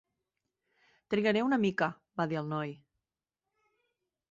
"Trigaré una mica", va dir el noi.